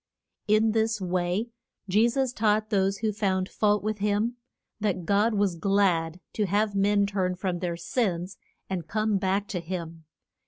In this way Je sus taught those who found fault with him, that God was glad to have men turn from their sins and come back to him.